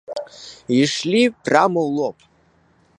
Ішлі прама ў лоб.